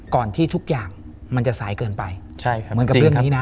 ที่ทุกอย่างมันจะสายเกินไปใช่ครับเหมือนกับเรื่องนี้นะ